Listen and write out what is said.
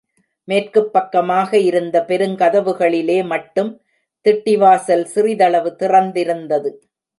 மேற்குப் பக்கமாக இருந்த பெருங்கதவுகளிலே மட்டும் திட்டிவாசல் சிறிதளவு திறந்திருந்தது.